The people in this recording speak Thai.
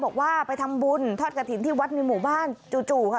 บอกว่าไปทำบุญทอดกระถิ่นที่วัดในหมู่บ้านจู่ค่ะ